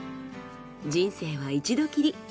人生は一度きり。